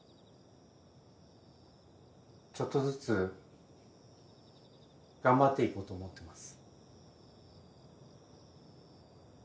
ちょっとずつ頑張っていこうと思ってます。